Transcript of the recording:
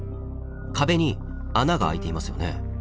壁に穴が開いていますよね。